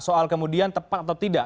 soal kemudian tepat atau tidak